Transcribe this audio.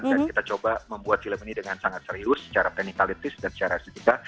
dan kita coba membuat film ini dengan sangat serius secara teknikalitis dan secara setika